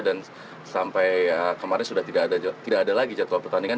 dan sampai kemarin sudah tidak ada lagi jadwal pertandingan